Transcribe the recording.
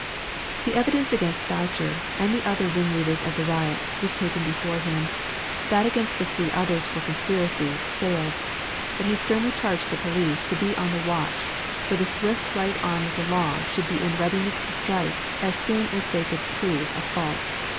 The evidence against Boucher, and other ring leaders of the riot, was taken before him: that against the three others, for conspiracy, failed. But he sternly charged the police to be on the watch; for the swift right arm of the law should be in readiness to strike, as soon as they could prove a fault.